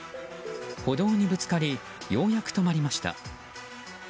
歩道にぶつかりようやく止まりました。